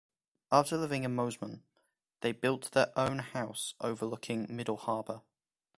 After living in Mosman, they built their own house overlooking Middle Harbour.